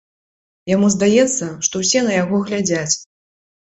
Яму здаецца, што ўсе на яго глядзяць.